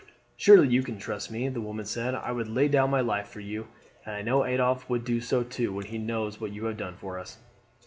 "Surely you can trust me," the woman said. "I would lay down my life for you, and I know Adolphe would do so too when he knows what you have done for us."